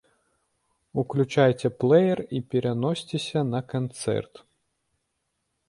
Уключайце плэер і пераносьцеся на канцэрт.